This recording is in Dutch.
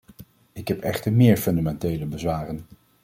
Ik heb echter meer fundamentele bezwaren.